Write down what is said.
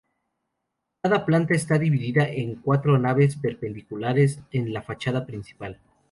Cada planta está dividida en cuatro naves perpendiculares en la fachada principal.